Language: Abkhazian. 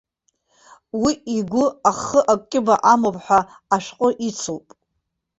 Уи игәы ахы акьыба амоуп ҳәа ашәҟәы ицуп.